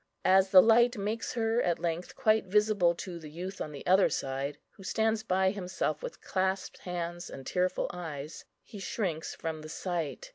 As the light makes her at length quite visible to the youth on the other side, who stands by himself with clasped hands and tearful eyes, he shrinks from the sight.